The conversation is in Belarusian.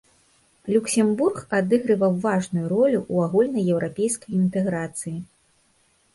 Люксембург адыгрываў важную ролю ў агульнаеўрапейскай інтэграцыі.